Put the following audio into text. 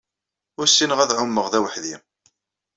U ssineɣ ad ɛumeɣ d aweḥdi.